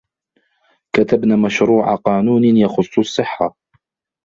كتبن مشروع قانون يخص الصحة